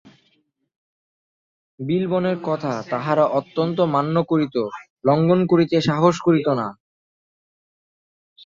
বিলবনের কথা তাহারা অত্যন্ত মান্য করিত–লঙ্ঘন করিতে সাহস করিত না।